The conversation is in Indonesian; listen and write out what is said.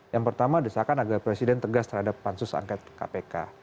yang pertama desakan agar presiden tegas terhadap pansus angket kpk